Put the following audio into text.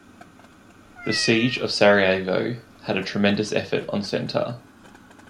The Siege of Sarajevo had a tremendous effect on Centar.